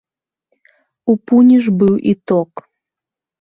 У пуні ж быў і ток.